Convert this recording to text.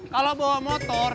kalau bawa motor